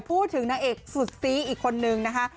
พูดถึงนางเอกสุดซีอีกคนนึงนะคะ